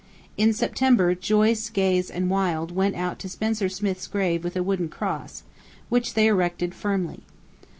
In September, Joyce, Gaze, and Wild went out to Spencer Smith's grave with a wooden cross, which they erected firmly.